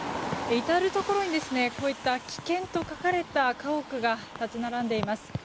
至るところに危険と書かれた家屋が立ち並んでいます。